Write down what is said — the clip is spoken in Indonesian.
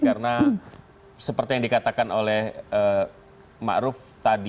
karena seperti yang dikatakan oleh makruf tadi